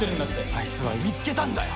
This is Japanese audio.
あいつは見つけたんだよ！